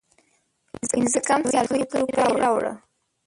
پنځه کم څلوېښت روپۍ راوړه